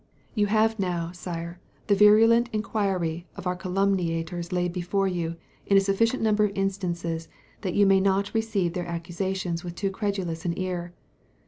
You have now, Sire, the virulent iniquity of our calumniators laid before you in a sufficient number of instances, that you may not receive their accusations with too credulous an ear.